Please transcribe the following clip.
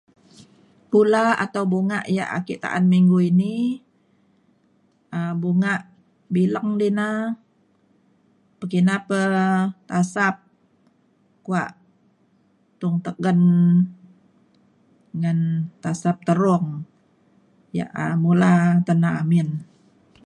pula atau bungak yak ake ta’an minggu ini um bungak bileng di na pekina pe tasap kuak tung tegen ngan tasap terung yak ngula te na’ang amin.